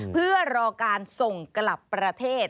เพื่อรอการส่งกลับประเทศ